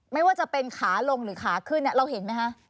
ไม่ว่าจะเป็นขาลงหรือขาขึ้นเราเห็นไหมคะ